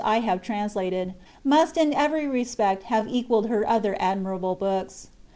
I have translated, must in every respect have equalled her other admirable books.